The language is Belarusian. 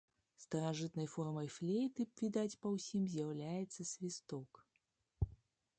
Старажытнай формай флейты, відаць па ўсім, з'яўляецца свісток.